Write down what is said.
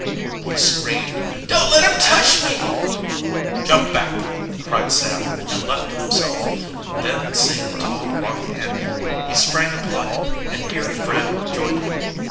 he screamed. "Don't let him touch me!" "Jump back!" cried Sam, and leaped himself. Then, seeing a tall rock handy, he sprang upon it, and here Fred joined him.